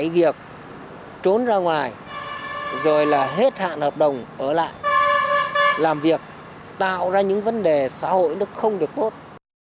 việc trốn ra ngoài rồi là hết hạn hợp đồng ở lại làm việc tạo ra những vấn đề xã hội nó không được tốt